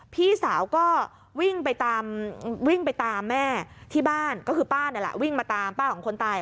พี่สาวก็วิ่งไปตามวิ่งไปตามแม่ที่บ้านก็คือป้านี่แหละวิ่งมาตามป้าของคนตาย